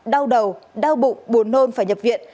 đau đầu đau bụng buồn nôn phải nhập viện